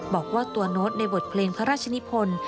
บอกว่าตัวโน้ตในบทเพลงพระราชนิพล